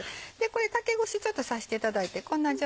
竹串ちょっと刺していただいてこんな状態？